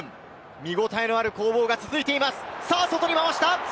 見応えのある攻防が続いています。